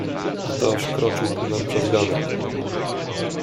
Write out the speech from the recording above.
"Ktoś kroczył ku nam przez ganek."